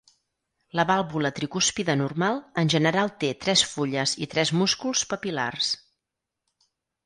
La vàlvula tricúspide normal en general té tres fulles i tres músculs papil·lars.